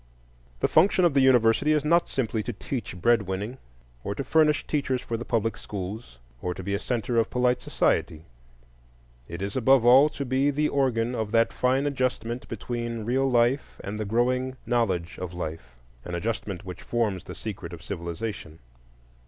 The function of the university is not simply to teach bread winning, or to furnish teachers for the public schools or to be a centre of polite society; it is, above all, to be the organ of that fine adjustment between real life and the growing knowledge of life, an adjustment which forms the secret of civilization.